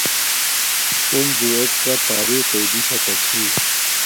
ہنزو ایکہ طاریقی دیشاکا چھِی